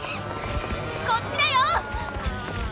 こっちだよ！